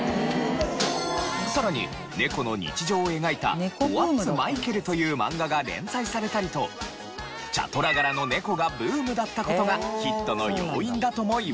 さらに猫の日常を描いた『ホワッツマイケル』という漫画が連載されたりと茶トラ柄の猫がブームだった事がヒットの要因だともいわれています。